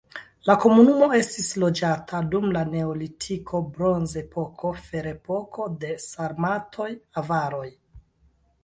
La komunumo estis loĝata dum la neolitiko, bronzepoko, ferepoko, de sarmatoj, avaroj.